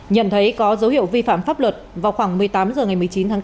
nhận thấy có dấu hiệu vi phạm pháp luật vào khoảng một mươi tám h ngày một mươi chín tháng bốn